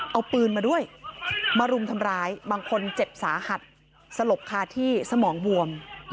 เอาปืนมาด้วยมารุมทำร้ายบางคนเจ็บสาหัสสลบคาที่สมองบวม